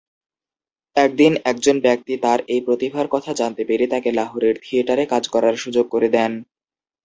একদিন একজন ব্যক্তি তার এই প্রতিভার কথা জানতে পেরে তাকে লাহোরের থিয়েটারে কাজ করার সুযোগ করে দেন।